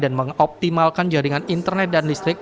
dan mengoptimalkan jaringan internet dan listrik